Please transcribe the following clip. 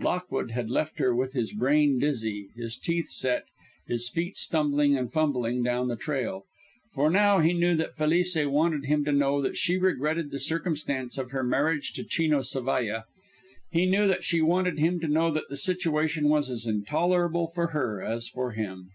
Lockwood had left her with his brain dizzy, his teeth set, his feet stumbling and fumbling down the trail, for now he knew that Felice wanted him to know that she regretted the circumstance of her marriage to Chino Zavalla; he knew that she wanted him to know that the situation was as intolerable for her as for him.